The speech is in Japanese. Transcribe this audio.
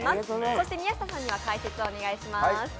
そして宮下さんには解説をお願いします。